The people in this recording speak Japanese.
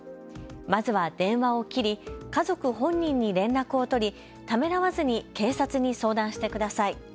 まずは電話を切り家族本人に連絡を取りためらわずに警察に相談してください。